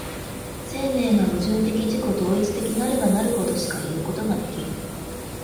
生命が矛盾的自己同一的なればなるほどしかいうことができる。